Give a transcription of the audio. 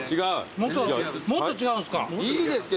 もっと違うんですか。